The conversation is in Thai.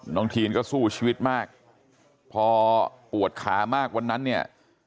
ทีนก็สู้ชีวิตมากพอปวดขามากวันนั้นเนี่ย